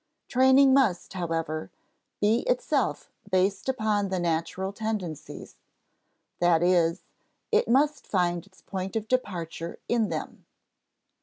Training must, however, be itself based upon the natural tendencies, that is, it must find its point of departure in them.